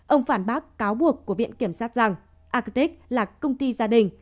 ông phản bác cáo buộc của viện kiểm sát rằng akic là công ty gia đình